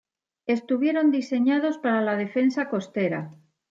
Estuvieron diseñados para la defensa costera.